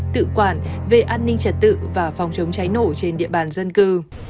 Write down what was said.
tự quản về an ninh trật tự và phòng chống cháy nổ trên địa bàn dân cư